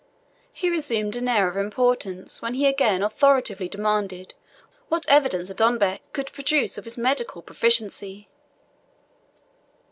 He resumed an air of importance when he again authoritatively demanded what evidence Adonbec could produce of his medical proficiency.